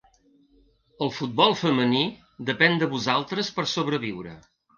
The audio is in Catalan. El futbol femení depèn de vosaltres per sobreviure.